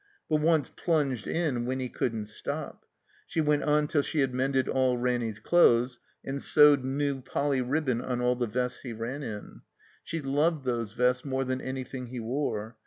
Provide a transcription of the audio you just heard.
But once plunged in Winny cotildn't stop. She went on till she had mended all Ranny's clothes and sewed new Poly, ribbon on all the vests he ran in. She loved those vests more than anything he wore.